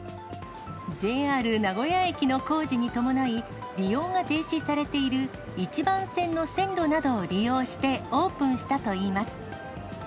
ＪＲ名古屋駅の工事に伴い、利用が停止されている１番線の線路などを利用してオープンしたといいます。